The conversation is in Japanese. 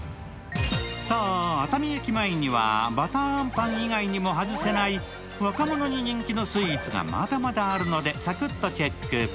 さあ、熱海駅前にはばたーあんパン以外にも外せない若者に人気のスイーツがまだまだあるので、サクッとチェック。